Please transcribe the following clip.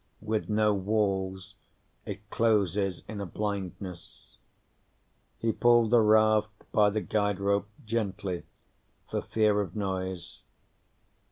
With no walls, it closes in a blindness. He pulled the raft by the guide rope, gently, for fear of noise.